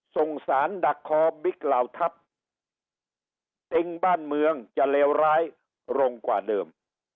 ส่งสารดักคอบิ๊กเหล่าทัพติ้งบ้านเมืองจะเลวร้ายลงกว่าเดิม